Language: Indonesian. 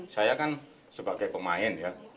saya kan sebagai pemain ya